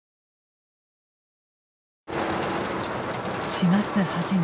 ４月初め。